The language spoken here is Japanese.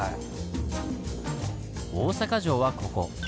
大阪城はここ。